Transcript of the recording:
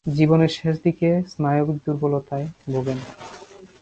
জীবনের শেষদিকে স্নায়বিক দূর্বলতায় ভোগেন।